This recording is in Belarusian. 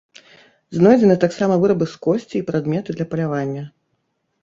Знойдзены таксама вырабы з косці і прадметы для палявання.